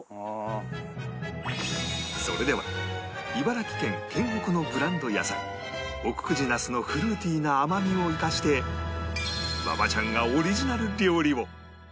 それでは茨城県県北のブランド野菜奥久慈なすのフルーティーな甘みを生かして馬場ちゃんがオリジナル料理を